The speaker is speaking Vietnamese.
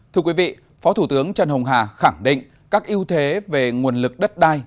thưa quý vị phó thủ tướng trần hồng hà khẳng định các ưu thế về nguồn lực đất đai